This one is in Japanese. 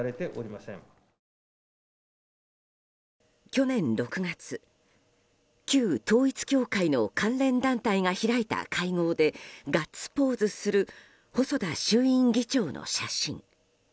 去年６月、旧統一教会の関連団体が開いた会合でガッツポーズする細田衆院議長の写真。